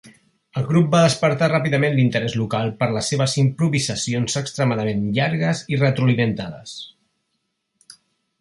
El grup va despertar ràpidament l'interès local per les seves improvisacions extremadament llargues i retroalimentades.